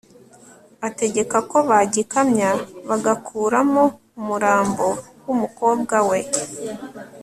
ategeka ko bagikamya, bagakuramo umurambo w'umukobwa we